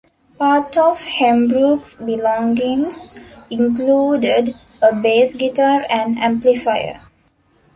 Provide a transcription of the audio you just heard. Part of Hembrook's belongings included a bass guitar and amplifier.